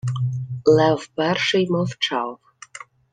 Лев Перший мовчав.